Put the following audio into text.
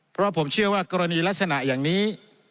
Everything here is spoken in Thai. เพราะผมเชื่อว่ากรณีลักษณะอย่างนี้